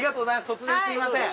突然すいません。